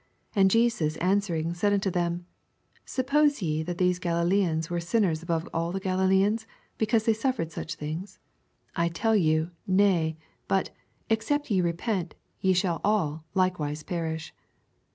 2 And Jesas answering said nnto them, Suppose ye that these Galileans were sinners above all the Galileans, becaase they suffered such things ? 8 I tell you. Nay ; but, except ye repent, ye shall all likewise perish.